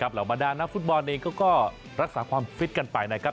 หลังมาด้านนักฟุตบอลเองก็รักษาความสบายกันไป